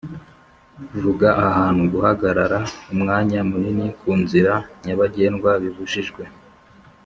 vuga ahantu guhagarara Umwanya munini kunzira nyabagendwa bibujijwe